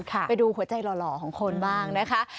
ไปดูหัวใจหล่อของคนบ้างนะคะ